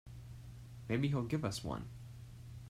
Maybe he'll give us one.